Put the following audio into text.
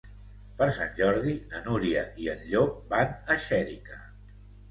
Per Sant Jordi na Núria i en Llop van a Xèrica.